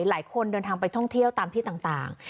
หลายคนเดินทางไปท่องเที่ยวตามที่ต่าง